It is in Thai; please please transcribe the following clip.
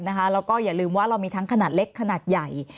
แล้วก็อย่าลืมว่าเรามีทั้งขนาดเล็กขนาดใหญ่